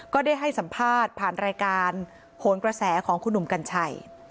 ก็ได้ให้สัมภาษณ์ผ่านรายการโหนกระแสของคุณหนุ่มกัญชัย